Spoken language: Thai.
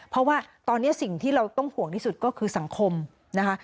เพราะว่าตอนนี้สิ่งที่เราต้องห่วงที่สุดก็คือสังคมนะคะ